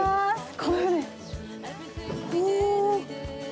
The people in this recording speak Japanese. この船？